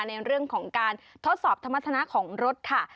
ในเรื่องของการทดสอบสมรรถนาของรถค่ะ